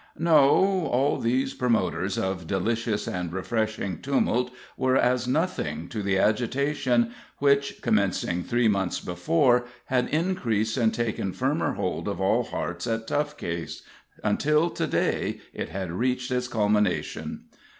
No; all these promoters of delicious and refreshing Tumult were as nothing to the agitation which, commencing three months before, had increased and taken firmer hold of all hearts at Tough Case, until to day it had reached its culmination.